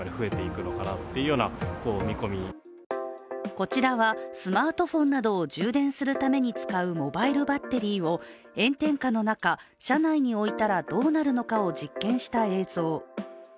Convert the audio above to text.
こちらは、スマートフォンなどを充電するために使うモバイルバッテリーを炎天下の中、車内に置いたらどうなるのかを実験した映像。